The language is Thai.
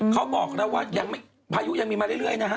เขาบอกแล้วว่าพายุยังมีมาเรื่อยนะฮะ